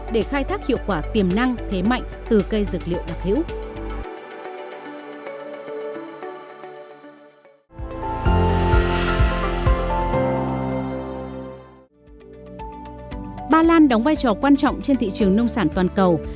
để khai thác hiệu quả tiềm năng thế mạnh từ cây dược liệu đặc hữu